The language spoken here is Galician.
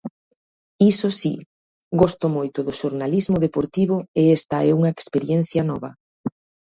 Iso si, gosto moito do xornalismo deportivo e esta é unha experiencia nova.